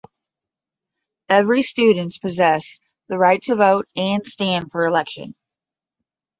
Every students possess the right to vote and stand for election.